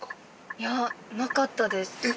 ◆いや、なかったです。